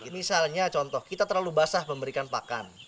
misalnya contoh kita terlalu basah memberikan pakan